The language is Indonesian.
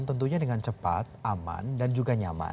tentunya dengan cepat aman dan juga nyaman